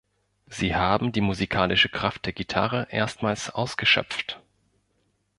Sie haben die musikalische Kraft der Gitarre erstmals ausgeschöpft.